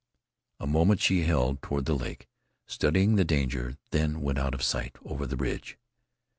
A moment she held toward the lake, studying the danger, then went out of sight over the ridge.